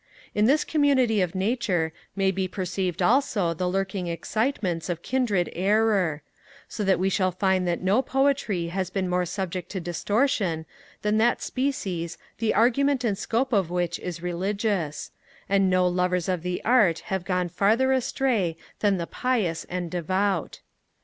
In this community of nature may be perceived also the lurking incitements of kindred error; so that we shall find that no poetry has been more subject to distortion, than that species, the argument and scope of which is religious; and no lovers of the art have gone farther astray than the pious and the devout.